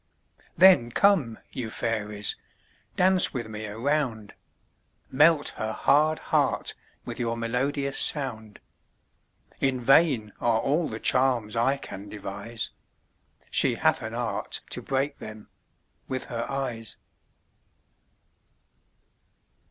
Then come, you fairies, dance with me a round; Melt her hard heart with your melodious sound. In vain are all the charms I can devise; She hath an art to break them with her eyes.